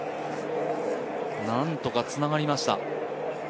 何とかつながりました。